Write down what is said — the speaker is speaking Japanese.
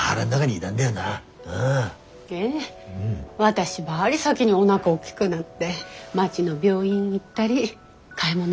私ばり先におなか大きくなって町の病院行ったり買い物行ったり。